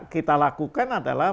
kita lakukan adalah